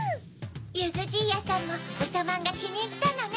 ゆずじいやさんもぶたまんがきにいったのね。